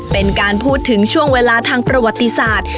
เป็นการพูดถึงช่วงเวลาทางประวัติศาสตร์